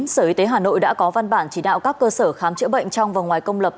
sở y tế hà nội đã có văn bản chỉ đạo các cơ sở khám chữa bệnh trong và ngoài công lập